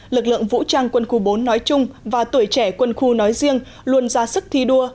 lực lượng vũ trang quân khu bốn nói chung và tuổi trẻ quân khu nói riêng luôn ra sức thi đua